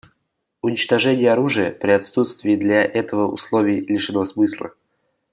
Уничтожение оружия при отсутствии для этого условий лишено смысла.